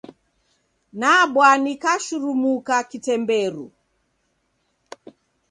Nabwa nikashurumuka kitemberu.